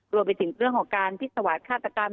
รวมไปถึงเรื่องของการพิษวาสฆาตกรรม